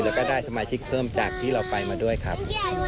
แล้วก็ได้สมาชิกเพิ่มจากที่เราไปมาด้วยครับ